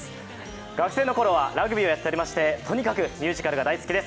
学生の頃はラグビーをやっておりましてとにかくミュージカルが大好きです。